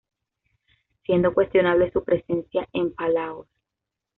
Siendo cuestionable su presencia en Palaos.